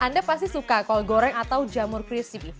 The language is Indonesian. anda pasti suka kol goreng atau jamur crispy